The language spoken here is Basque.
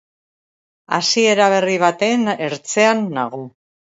Hasiera berri baten ertzean nago.